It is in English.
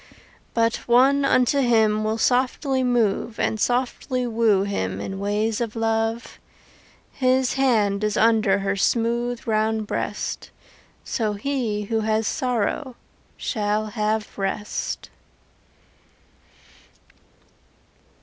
But one unto him Will softly move And softly woo him In ways of love. His hand is under Her smooth round breast; So he who has sorrow Shall have rest.